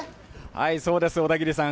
はい、そうです、小田切さん。